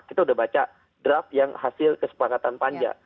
kita sudah baca draft yang hasil kesepakatan panja